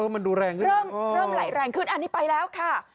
มันดูแรงขึ้นอ่ะอันนี้ไปแล้วค่ะ